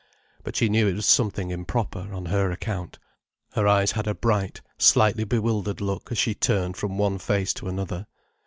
But she knew it was something improper, on her account. Her eyes had a bright, slightly bewildered look as she turned from one face to another.